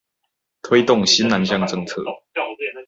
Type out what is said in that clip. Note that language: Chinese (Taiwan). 推動新南向政策